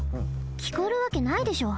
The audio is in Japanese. きこえるわけないでしょ。